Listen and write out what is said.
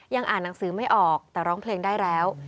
อ่านหนังสือไม่ออกแต่ร้องเพลงได้แล้ว